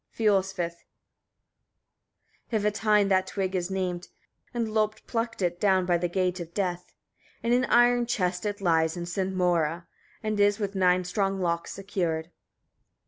Fiolsvith. 27. Hævatein the twig is named, and Lopt plucked it, down by the gate of Death. In an iron chest it lies with Sinmoera, and is with nine strong locks secured.